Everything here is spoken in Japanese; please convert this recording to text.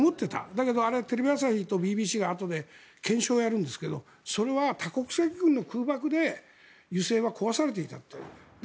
だけどあれはテレビ朝日とＢＢＣがあとで検証をやるんですがそれは多国籍軍の空爆で壊されていたと。